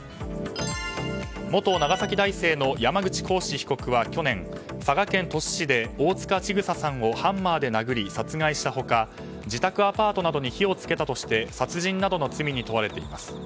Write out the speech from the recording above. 元長崎大生の山口鴻志被告は去年佐賀県鳥栖市で大塚千種さんをハンマーで殴り殺害した他自宅アパートなどに火を付けたとして殺人などの罪に問われています。